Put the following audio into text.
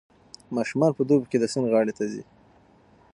ماشومان په دوبي کې د سیند غاړې ته ځي.